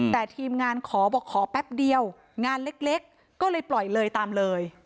แต่ทีมงานขอบอกขอแป๊บเดียวงานเล็กก็เลยปล่อยเลยตามเลย